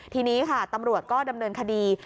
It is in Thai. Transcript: ทีนี้ค่ะตำรวจก็ดำเนินคดี